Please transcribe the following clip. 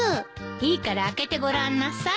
いいから開けてごらんなさい。